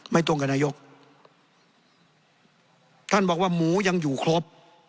ตรงกับนายกท่านบอกว่าหมูยังอยู่ครบ